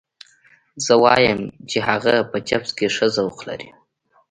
زه وایم چې هغه په چپس کې ښه ذوق لري